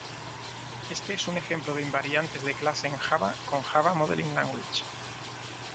Este es un ejemplo de invariantes de clase en Java con Java Modeling Language.